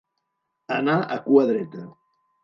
Anar a cua dreta.